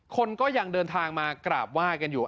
คนก็ยังเดินทางมากราบไหว้กันอยู่